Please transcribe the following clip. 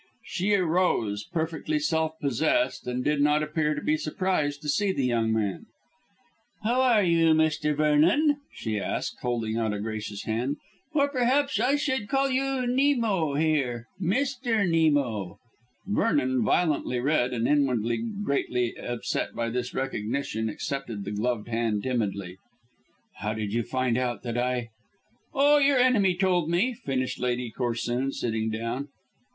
She arose, perfectly self possessed, and did not appear to be surprised to see the young man. "How are you, Mr. Vernon?" she asked, holding out a gracious hand, "or perhaps I should call you Nemo here Mr. Nemo." Vernon, violently red and inwardly greatly upset by this recognition, accepted the gloved hand timidly. "How did you find out that I " "Oh, your enemy told me," finished Lady Corsoon, sitting down.